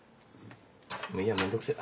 もういいやめんどくせえ。